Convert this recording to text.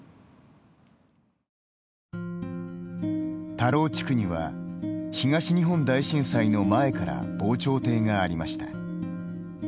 田老地区には、東日本大震災の前から、防潮堤がありました。